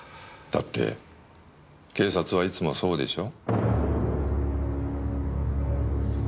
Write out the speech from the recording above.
だって警察はいつもそうでしょ？